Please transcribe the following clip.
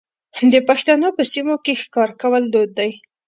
د پښتنو په سیمو کې ښکار کول دود دی.